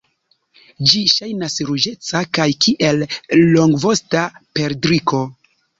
Ĝi ŝajnas ruĝeca kaj kiel longvosta perdriko.